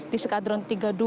di sekadron tiga puluh dua